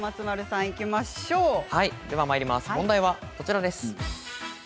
問題はこちらです。